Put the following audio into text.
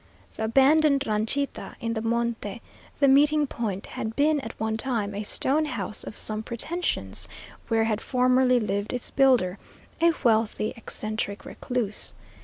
The abandoned ranchita in the monte the meeting point had been at one time a stone house of some pretensions, where had formerly lived its builder, a wealthy, eccentric recluse.